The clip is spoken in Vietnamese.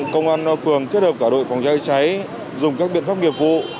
công an phường kết hợp cả đội phòng cháy cháy dùng các biện pháp nghiệp vụ